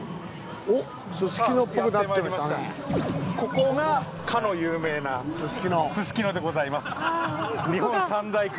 ここがかの有名なすすきのでございます。